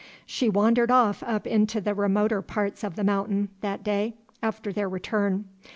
She wandered off up into the remoter parts of The Mountain, that day, after their return.